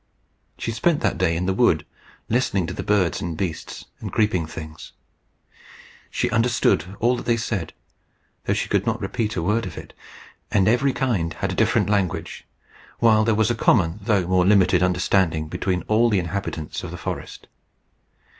She spent that day in the wood, listening to the birds and beasts and creeping things. She understood all that they said, though she could not repeat a word of it; and every kind had a different language, while there was a common though more limited understanding between all the inhabitants of the forest.